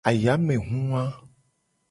Ayamehu wa.